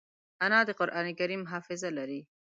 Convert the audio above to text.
انا د قرانکریم حافظه لري